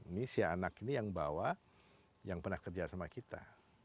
ini si anak ini yang bawa yang pernah kerja sama kita